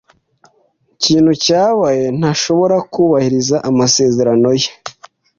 Ikintu cyabaye ntashobora kubahiriza amasezerano ye.